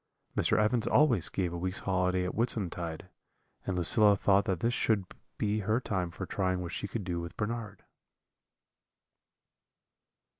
"Mr. Evans always gave a week's holiday at Whitsuntide, and Lucilla thought that this should be her time for trying what she could do with Bernard."